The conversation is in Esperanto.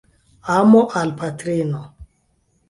Amo al patrino.